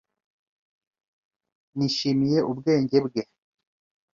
Nishimiye ubwenge bwe.